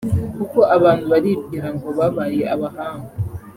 Kuko abantu baribwira ngo babaye abahanga